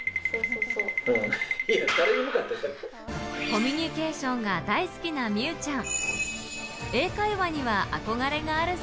コミュニケーションが大好きな美羽ちゃん。